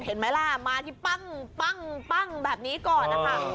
เห็นไหมล่ะมาที่ปั้งแบบนี้ก่อนนะคะ